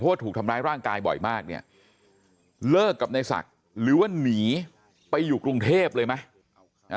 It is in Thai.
ว่าถูกทำร้ายร่างกายบ่อยมากเนี่ยเลิกกับในศักดิ์หรือว่าหนีไปอยู่กรุงเทพเลยไหม